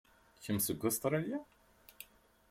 Kemm seg Ustṛalya?